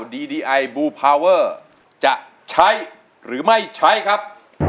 ดีดีไอบูพาวเวอร์จะใช้หรือไม่ใช้ครับ